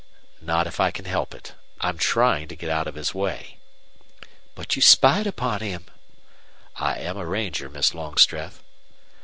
"Not if I can help it. I'm trying to get out of his way.' "But you spied upon him." "I am a ranger, Miss Longstreth."